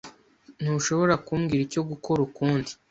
Ntushobora kumbwira icyo gukora ukundi.